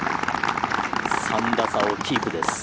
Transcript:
３打差をキープです。